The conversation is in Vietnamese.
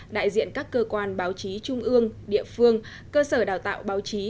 đại diện các cơ quan báo chí trung ương địa phương cơ sở đào tạo báo chí